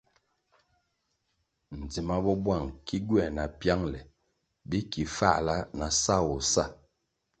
Dzima bo buang ki gywer na piangle bi ki fahla na sawoh sa.